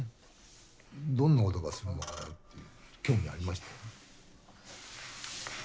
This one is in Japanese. どんな音がするのかなっていう興味がありましたよね。